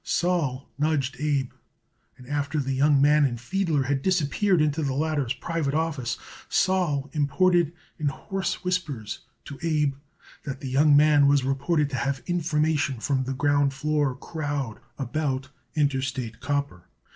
Sol nudged Abe, and after the young man and Fiedler had disappeared into the latter's private office Sol imparted in hoarse whispers to Abe that the young man was reported to have information from the ground floor crowd about Interstate Copper.